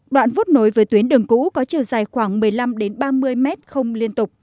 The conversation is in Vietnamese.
đoạn phút nối với tuyến đường cũ có chiều dài khoảng một mươi năm ba mươi mét không liên tục